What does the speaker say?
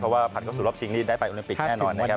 เพราะว่าภาพกับสุรบชิงนี้ได้ไปโอลิมปิกแน่นอนนะครับ